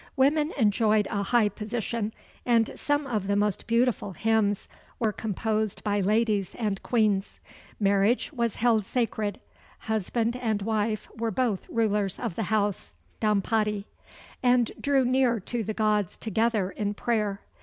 Women enjoyed a high position; and some of the most beautiful hymns were composed by ladies and queens. Marriage was held sacred. Husband and wife were both "rulers of the house" (dampati); and drew near to the gods together in prayer.